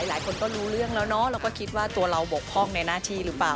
หลายคนก็รู้เรื่องแล้วเนาะเราก็คิดว่าตัวเราบกพ่องในหน้าที่หรือเปล่า